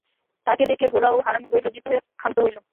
তাঁহাকে দেখিয়া গোরা ও হারান উভয়েই লজ্জিত হইয়া ক্ষান্ত হইল।